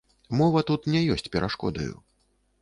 Мова тут не ёсць перашкодаю.